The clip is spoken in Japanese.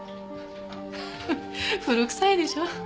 フフッ古くさいでしょ？